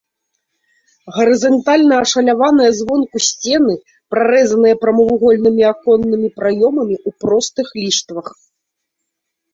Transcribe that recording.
Гарызантальна ашаляваныя звонку сцены прарэзаныя прамавугольнымі аконнымі праёмамі ў простых ліштвах.